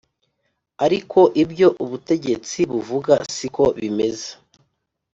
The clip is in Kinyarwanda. ariko ibyo ubutegetsi buvuga siko bimeze